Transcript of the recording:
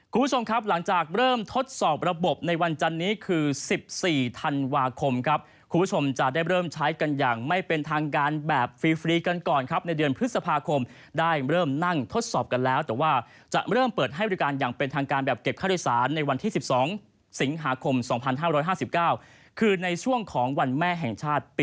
คุณผู้ชมครับหลังจากเริ่มทดสอบระบบในวันจันนี้คือ๑๔ธันวาคมครับคุณผู้ชมจะได้เริ่มใช้กันอย่างไม่เป็นทางการแบบฟรีกันก่อนครับในเดือนพฤษภาคมได้เริ่มนั่งทดสอบกันแล้วแต่ว่าจะเริ่มเปิดให้บริการอย่างเป็นทางการแบบเก็บค่าโดยสารในวันที่๑๒สิงหาคม๒๕๕๙คือในช่วงของวันแม่แห่งชาติปี